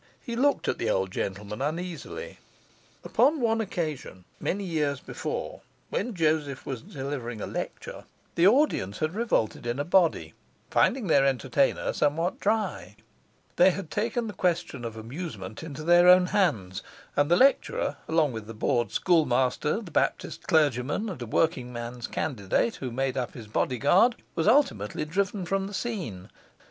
He looked at the old gentleman uneasily. Upon one occasion, many years before, when Joseph was delivering a lecture, the audience had revolted in a body; finding their entertainer somewhat dry, they had taken the question of amusement into their own hands; and the lecturer (along with the board schoolmaster, the Baptist clergyman, and a working man's candidate, who made up his bodyguard) was ultimately driven from the scene.